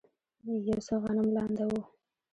یو څه غنم لانده و.